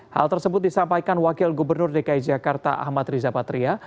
hal tersebut disampaikan wakil gubernur dki jakarta ahmad riza patria